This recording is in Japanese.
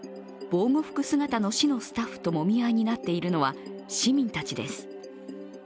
防護服姿の市のスタッフともみ合いになっているのは市民たちです。